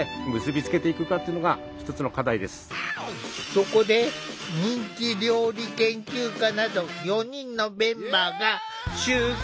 そこで人気料理研究家など４人のメンバーが集結！